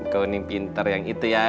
kau ini pinter yang itu ya